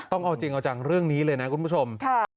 ต้องเอาจริงเอาจังเรื่องนี้เลยนะคุณผู้ชม